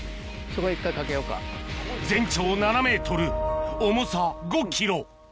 全長７ｍ重さ５ｋｇ